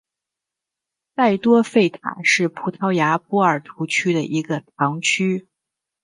塞多费塔是葡萄牙波尔图区的一个堂区。